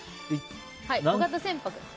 小型船舶。